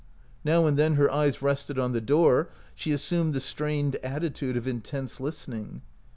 Now and then her eyes rested on the door ; she assumed the strained atti tude of intense listening.